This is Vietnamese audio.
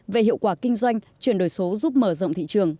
về hiệu quả kinh doanh chuyển đổi số giúp mở rộng thị trường